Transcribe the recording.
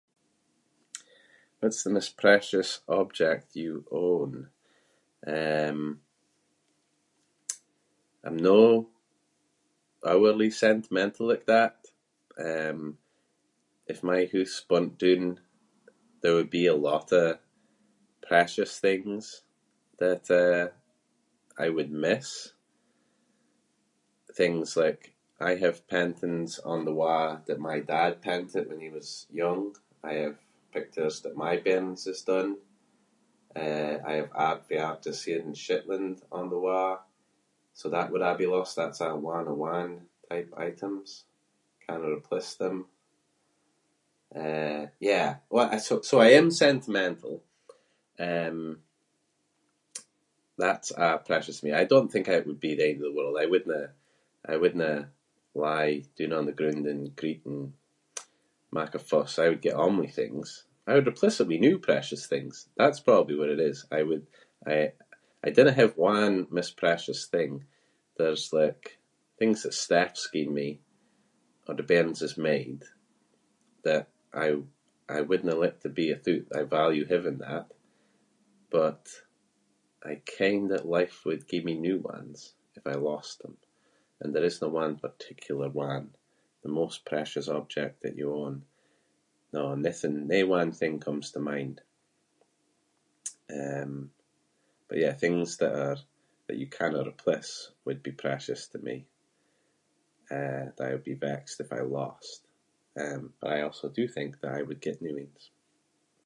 What’s the most precious object you own? Um, I’m no overly sentimental like that. Um, if my hoose burnt doon there would be a lot of precious things that, eh, I would miss. Things like- I have paintings on the wa’ that my dad painted when he was young. I have pictures that my bairns is done. Eh, I have art fae artists here in Shetland on the wa’, so that would a’ be lost. That’s a one of one type items- cannae replace them. Uh, yeah, w- so- so I am sentimental. Um, that’s a’ precious to me- I don’t think it would be the end of the world. I wouldnae- I wouldnae lie doon on the groond and greet and mak a fuss. I would get on with things. I would replace it with new precious things. That’s probably what it is- I would- I- I dinna have one most precious thing. There's like things that Steph's gien me or the bairns has made that I- I wouldnae like to be withoot. I value having that, but I ken that life would gie me new ones if I lost them and there isnae one particular one- the most precious object that you own. No, nothing- no one thing comes to mind. Um, but yeah, things that are- that you cannae replace would be precious to me, eh, that I would be vexed if I lost. Um, but I also do think that I would get new ains.